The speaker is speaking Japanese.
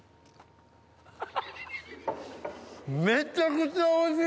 めちゃくちゃおいしい！